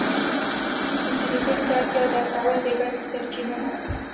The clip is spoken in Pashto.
د پیرودونکي اړتیا درک کول د ګټې سرچینه ده.